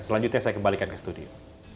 selanjutnya saya kembalikan ke studio